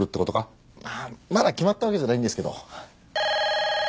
まあまだ決まったわけじゃないんですけど。